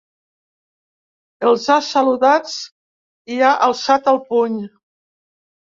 Els ha saludats i ha alçat el puny.